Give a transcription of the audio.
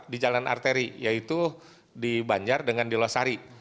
di jalan arteri yaitu di banjar dengan di losari